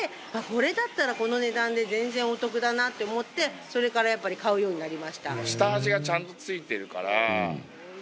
これだったらこの値段で全然お得だなって思ってそれからやっぱり買うようになりました。